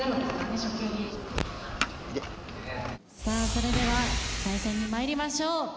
さあそれでは対戦に参りましょう。